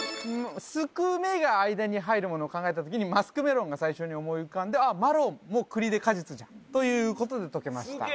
「スクメ」が間に入るものを考えた時にマスクメロンが最初に思い浮かんであっマロンも栗で果実じゃんということで解けました・